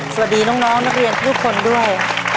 สวัสดีน้องนักเรียนทุกคนด้วย